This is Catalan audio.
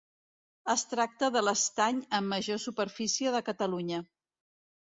Es tracta de l'estany amb major superfície de Catalunya.